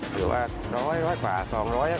อยู่บันร้อยร้อยกว่า๒๐๐ศวก็ได้